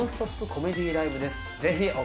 コメディーライブです。